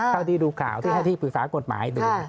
เท่าที่ดูข่าวที่ดูปริศาลกฎหมาย